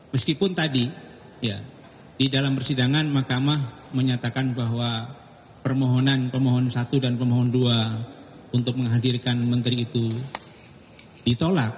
meskipun tadi ya di dalam persidangan makamah menyatakan bahwa permohonan pemohon satu dan pemohon dua untuk menghadirkan menteri itu ditolak